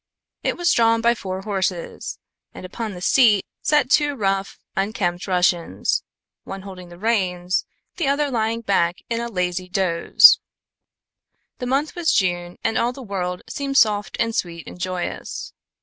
It was drawn by four horses, and upon the seat sat two rough, unkempt Russians, one holding the reins, the other lying back in a lazy doze. The month was June and all the world seemed soft and sweet and joyous.